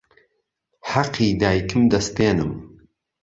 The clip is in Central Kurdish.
حهقی دایکم دهستێنم